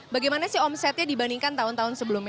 bagaimana sih omsetnya dibandingkan tahun tahun sebelumnya